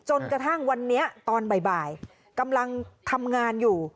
จนกระทั่งวันนี้ตอนบ่ายกำลังทำงานอยู่